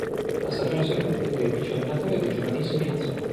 La stagione seguente è vice allenatore dei giovanissimi nazionali.